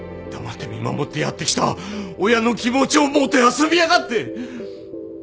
黙って見守ってやってきた親の気持ちをもてあそびやがって！